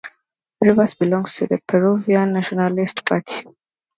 Rivas belongs to the Peruvian Nationalist Party.